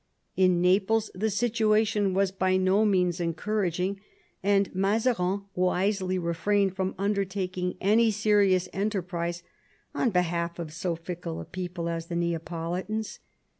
In Naples the situation was by no means encouraging, and Mazarin wisely refrained from undertaking any serious enterprise on behalf of so fickle a people as the Neapolitans.